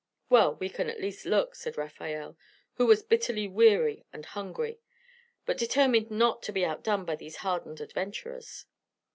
"Well, we can at least look," said Rafael, who was bitterly weary and hungry, but determined not to be outdone by these hardened adventurers.